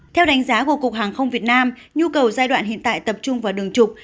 theo đánh giá của cục hàng không việt nam nhu cầu giai đoạn hiện tại tập trung vào đường trục